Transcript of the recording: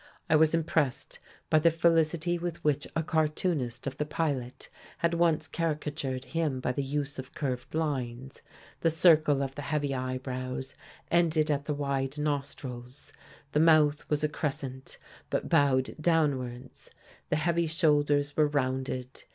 I was impressed by the felicity with which a cartoonist of the Pilot had once caricatured him by the use of curved lines. The circle of the heavy eyebrows ended at the wide nostrils; the mouth was a crescent, but bowed downwards; the heavy shoulders were rounded.